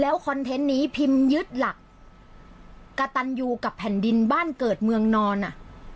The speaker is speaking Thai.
คอนเทนต์นี้พิมพ์ยึดหลักกระตันยูกับแผ่นดินบ้านเกิดเมืองนอนอ่ะ